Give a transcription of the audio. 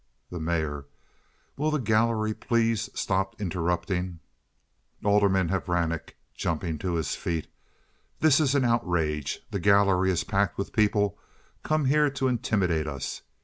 The Mayor. "Will the gallery please stop interrupting." Alderman Horanek (jumping to his feet). "This is an outrage. The gallery is packed with people come here to intimidate us.